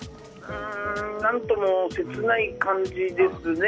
何とも切ない感じですね。